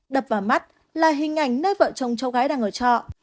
đập vào mắt là hình ảnh nơi vợ chồng cháu gái đang ở trọ